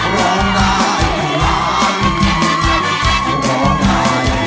ร้องได้ให้ล้าน